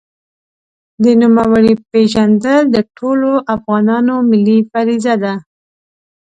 د نوموړي پېژندل د ټولو افغانانو ملي فریضه ده.